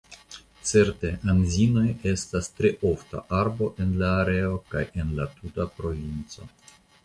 Certe anzinoj estas tre ofta arbo en la areo kaj en la tuta provinco.